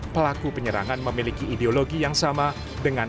pelaku penyerangan memiliki ideologi yang sama dengan